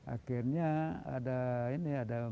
akhirnya ada ini ada